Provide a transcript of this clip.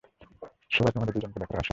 সবাই তোমাদের দুজনকে দেখার আশায় আছে।